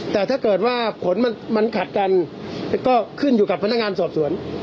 แต่ถ้าเกิดว่าผลมันขัดกันก็ขึ้นอยู่กับพนักงานสอบสวน